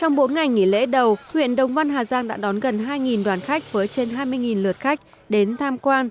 trong bốn ngày nghỉ lễ đầu huyện đồng văn hà giang đã đón gần hai đoàn khách với trên hai mươi lượt khách đến tham quan